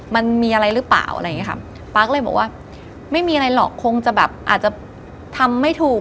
มันมีอะไรหรือเปล่าอะไรอย่างเงี้ค่ะป๊าก็เลยบอกว่าไม่มีอะไรหรอกคงจะแบบอาจจะทำไม่ถูก